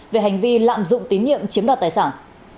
về hành vi lạm dụng tín nhiệm chiếm đoạt tài sản